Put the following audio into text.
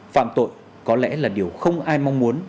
phạm tội có lẽ là điều không ai mong muốn